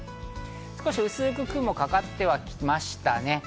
少し薄く雲がかかっては来ましたね。